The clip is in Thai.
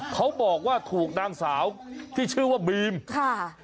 เขาบอกว่าถูกนางสาวที่ชื่อว่าบีมค่ะ